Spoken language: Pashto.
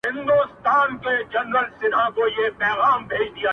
او خبري نه ختمېږي هېڅکله